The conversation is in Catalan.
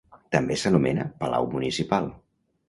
També s'anomena palau Municipal.